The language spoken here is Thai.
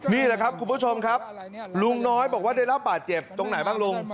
นี่แหละครับคุณผู้ชมครับลุงน้อยบอกว่าได้รับบาดเจ็บตรงไหนบ้างลุง